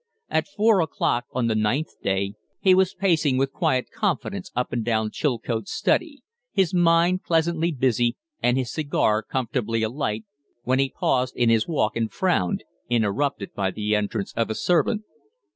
At four o'clock on the ninth day he was pacing with quiet confidence up and down Chilcote's study, his mind pleasantly busy and his cigar comfortably alight, when he paused in, his walk and frowned, interrupted by the entrance of a servant.